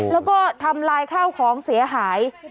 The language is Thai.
แล้วก็ทำลายข้าวของเสียหาย